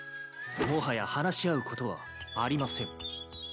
もはや話し合うことはありません。